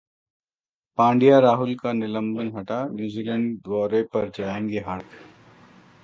पंड्या-राहुल का निलंबन हटा, न्यूजीलैंड दौरे पर जाएंगे हार्दिक